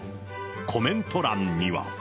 コメント欄には。